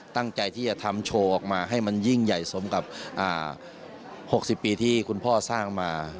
ตั้งใจที่จะทำโชว์ออกมาให้มันยิ่งใหญ่สมกับ๖๐ปีที่คุณพ่อสร้างมา